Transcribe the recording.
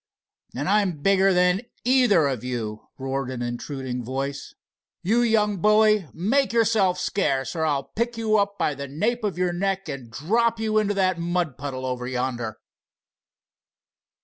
"And I'm bigger than either of you!" roared an intruding voice. "You young bully, make yourself scarce, or I'll pick you up by the nape of your neck and drop you into that mud puddle over yonder!"